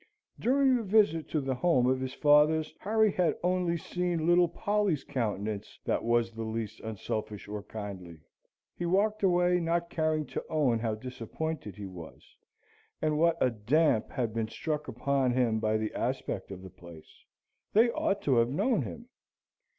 During the visit to the home of his fathers, Harry had only seen little Polly's countenance that was the least unselfish or kindly: he walked away, not caring to own how disappointed he was, and what a damp had been struck upon him by the aspect of the place. They ought to have known him.